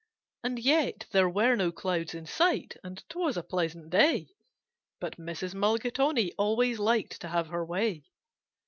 And yet there were no clouds in sight, and 'twas a pleasant day, But Mrs. Mulligatawny always liked to have her way.